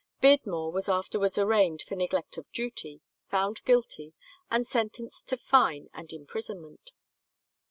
Beardmore was afterwards arraigned for neglect of duty, found guilty, and sentenced to fine and imprisonment.